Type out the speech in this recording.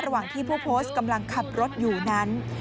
ระหว่างที่ผู้โพสต์กำลังขับรถอยู่นั้น